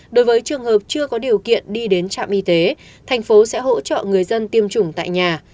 đối với trường hợp chưa có điều kiện đi đến trạm y tế thành phố sẽ hỗ trợ người dân tiêm chủng tại nhà